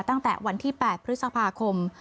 ตั้งแต่วันที่๘พฤษภาคม